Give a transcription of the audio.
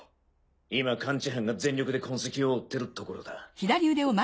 今感知班が全力で痕跡を追ってるところだ。